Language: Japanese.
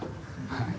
はい。